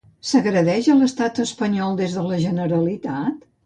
S'agredeix a l'estat espanyol des de la Generalitat?